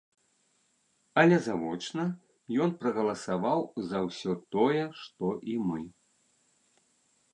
Але завочна ён прагаласаваў за ўсё тое, што і мы.